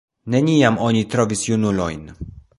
Neniam oni trovis junulojn.